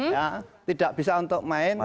ya tidak bisa untuk main